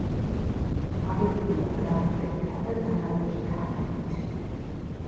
აგებულია გრანიტებითა და დანალექი ქანებით.